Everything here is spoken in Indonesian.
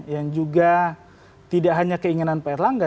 yang juga tidak hanya keinginan pak erlangga